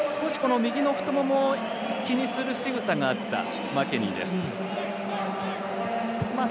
右の太ももを気にするしぐさがあった、マケニーです。